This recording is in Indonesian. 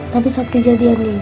tapi satu kejadian nih